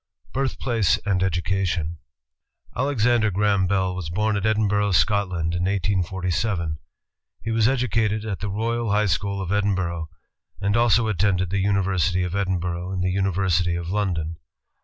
Birthplace and Education Alexander Graham Bell was born at Edinburgh, Scot land, in 1847. H^ was educated at the Royal High School of Edinburgh, and also attended the University of Edin burgh and the University of London.